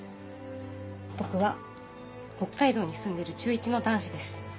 「僕は北海道に住んでる中１の男子です。